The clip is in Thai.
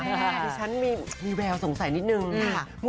ดิฉันมีแววสงสัยนิดนึงค่ะ